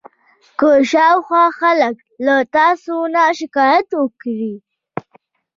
که شاوخوا خلک له تاسې نه شکایت وکړي.